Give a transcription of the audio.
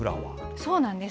そうなんです。